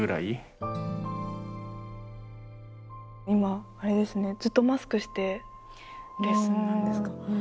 今あれですねずっとマスクしてレッスンなんですか？